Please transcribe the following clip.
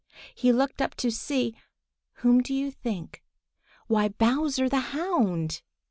He looked up to see—whom do you think? Why, Bowser the Hound!